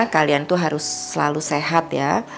kalian tuh harus selalu sehat ya